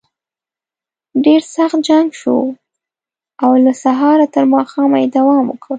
ډېر سخت جنګ شو او له سهاره تر ماښامه یې دوام وکړ.